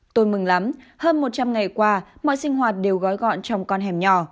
tôi mừng lắm hơn một trăm linh ngày qua mọi sinh hoạt đều gói gọn trong con hẻm nhỏ